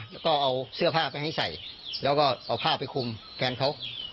แล้วก็เอาเสื้อผ้าไปให้ใส่แล้วก็เอาผ้าไปคุมแฟนเขา